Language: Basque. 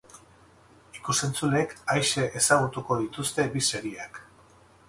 Ikusentzuleek aise ezagutuko dituzte bi serieak.